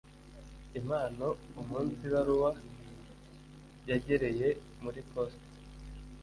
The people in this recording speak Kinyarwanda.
Impamo umunsi ibaruwa yagereye muri posita